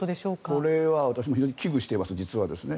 これは私も実は非常に危惧をしています。